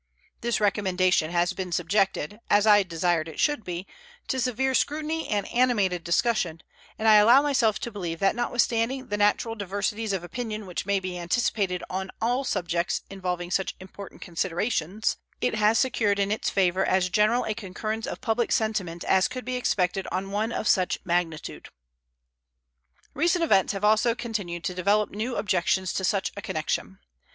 This recommendation has been subjected, as I desired it should be, to severe scrutiny and animated discussion, and I allow myself to believe that notwithstanding the natural diversities of opinion which may be anticipated on all subjects involving such important considerations, it has secured in its favor as general a concurrence of public sentiment as could be expected on one of such magnitude. Recent events have also continued to develop new objections to such a connection.